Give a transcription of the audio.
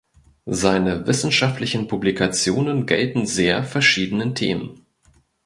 Seine wissenschaftlichen Publikationen gelten sehr verschiedenen Themen.